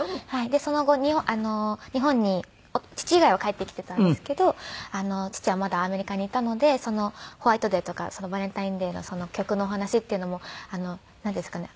でその後日本に父以外は帰ってきてたんですけど父はまだアメリカにいたのでホワイトデーとかバレンタインデーの曲のお話っていうのもなんですかね？